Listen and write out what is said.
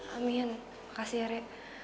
amin makasih ya re